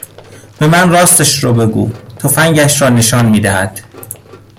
به من راستش رو بگو تفنگش را نشان میدهد